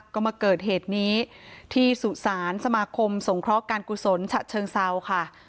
ก็มาเกิดเหตุนี้ที่สุสานสมาคมสงเคราะห์การกุศลฉะเชิงเซาค่ะ